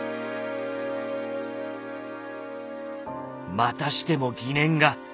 またしても疑念が。